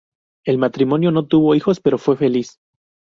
El matrimonio no tuvo hijos, pero fue feliz.